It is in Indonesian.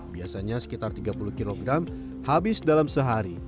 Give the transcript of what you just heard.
biasanya sekitar tiga puluh kg habis dalam sehari